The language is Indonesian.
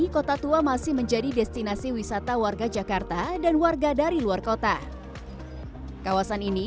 kota tua masih menjadi destinasi wisata warga jakarta dan warga dari luar kota kawasan ini